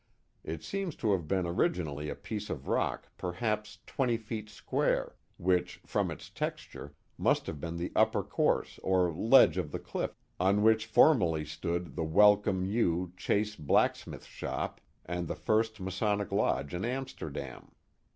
It seems to have been originally a piece of rock perhaps twenty feet square, which, from its texture, must have been the upper course or ledge of the cliff on which formerly stood the Welcome U. Chase black smith shop and the first Masonic lodge in Amsterdam.